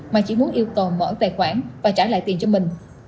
mà chỉ muốn yêu cầu mở tài khoản và trả lại tiền cho mình